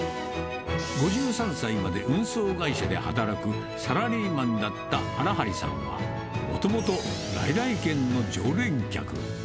５３歳まで運送会社で働くサラリーマンだった荒張さんは、もともと來々軒の常連客。